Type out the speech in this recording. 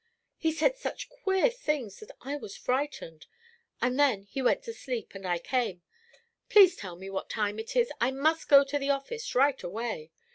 He said such queer things that I was frightened. And then he went to sleep, and I came. Please tell me what time it is; I must go to the office right away."